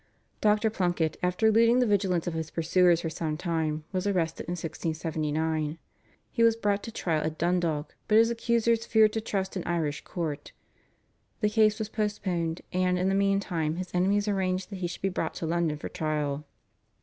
Dr. Plunket, after eluding the vigilance of his pursuers for some time, was arrested in 1679. He was brought to trial at Dundalk, but his accusers feared to trust an Irish court, the case was postponed, and in the meantime his enemies arranged that he should be brought to London for trial.